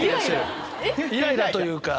イライラというか。